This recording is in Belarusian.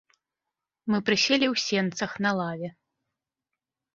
Мы прыселі ў сенцах на лаве.